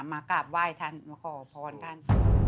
มากราบไหว้ท่านมาขอพรท่าน